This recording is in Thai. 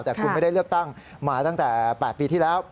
แต่คุณไม่ได้เลือกตั้งมาตั้งแต่๘ปีที่แล้ว